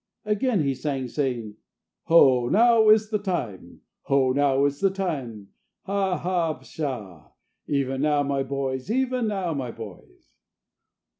Again he sang, saying: "Ho! now is the time! Ho! now is the time! Ha! Ha! Psha! Even now My boys! Even now, My boys!"